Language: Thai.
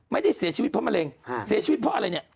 ไม่ได้เสียชีวิตเพราะมะเร็งเสียชีวิตเพราะอะไรเนี่ย